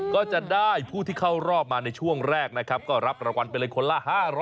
ก็จะได้ผู้ที่เข้ารอบมาในช่วงแรกนะครับก็รับรางวัลไปเลยคนละ๕๐๐